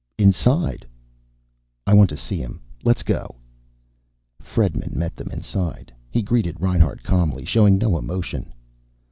"Inside." "I want to see him. Let's go." Fredman met them inside. He greeted Reinhart calmly, showing no emotion.